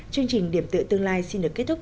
chương trình điểm tựa tương lai xin được kết thúc